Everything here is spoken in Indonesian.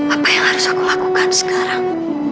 apa yang harus aku lakukan sekarang